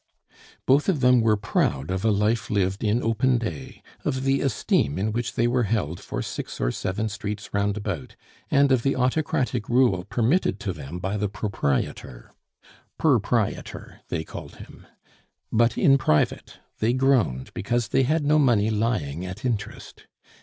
Both of them were proud of a life lived in open day, of the esteem in which they were held for six or seven streets round about, and of the autocratic rule permitted to them by the proprietor ("perprietor," they called him); but in private they groaned because they had no money lying at interest.